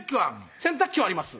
洗濯機はあります